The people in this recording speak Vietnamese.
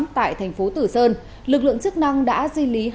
tại thành phố tử sơn lực lượng chức năng đã di lý